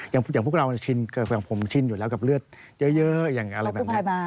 อย่างพวกเราชินอย่างผมชินอยู่แล้วกับเลือดเยอะอย่างอะไรแบบนี้